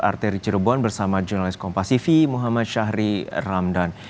arteri cirebon bersama jurnalis kompasifi muhammad syahri ramdan